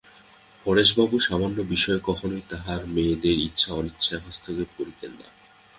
পরেশবাবু সামান্য বিষয়ে কখনোই তাঁহার মেয়েদের ইচ্ছা-অনিচ্ছায় হস্তক্ষেপ করিতেন না।